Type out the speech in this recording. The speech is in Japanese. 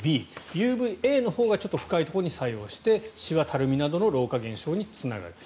ＵＶＡのほうが深いところに作用してシワ、たるみなどの老化現象につながる。